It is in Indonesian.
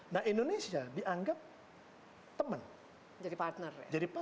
nah indonesia dianggap teman jadi partner